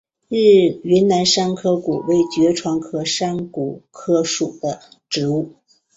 云南山壳骨为爵床科山壳骨属的植物。